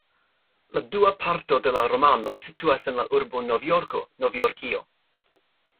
La dua parto de la romano situas en la urbo Novjorko, Novjorkio.